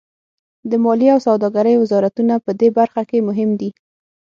د مالیې او سوداګرۍ وزارتونه پدې برخه کې مهم دي